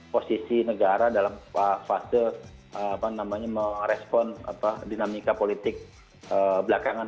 posisi negara dalam fase merespon dinamika politik belakangan